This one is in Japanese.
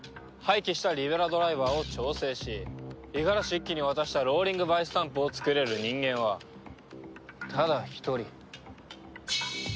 廃棄したリベラドライバーを調整し五十嵐一輝に渡したローリングバイスタンプを作れる人間はただ一人。